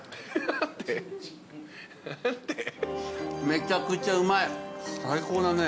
めちゃくちゃうまい最高だね